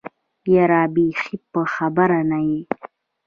يره بېخي په خبره نه يې.